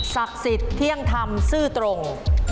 ศักดิ์สิทธิเที่ยงธรรมซื่อตรง